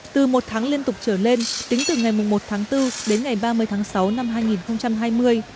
từ một tháng liên tục trở lên tính từ ngày một tháng bốn đến ngày ba mươi tháng sáu năm hai nghìn hai mươi